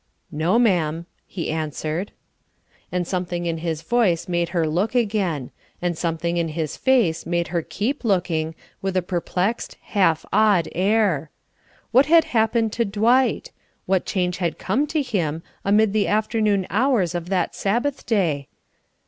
"No, ma'am," he answered. And something in his voice made her look again; and something in his face made her keep looking, with a perplexed, half awed air. What had happened to Dwight? What change had come to him amid the afternoon hours of that Sabbath day?